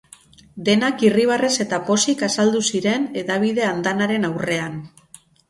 Denak irribarrez eta pozik azaldu ziren hedabide andanaren aurrean.